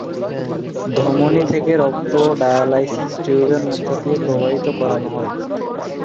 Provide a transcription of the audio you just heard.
ধমনী থেকে রক্ত ডায়ালাইসিস টিউবের মধ্যে দিয়ে প্রবাহিত করানো হয়।